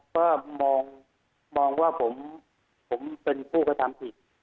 ก็มองว่าผมเป็นผู้กระทำผิด